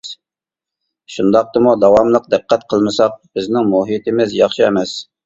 شۇنداقتىمۇ، داۋاملىق دىققەت قىلمىساق، بىزنىڭ مۇھىتىمىز ياخشى ئەمەس.